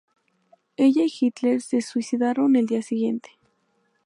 Ella y Hitler se suicidaron el día siguiente.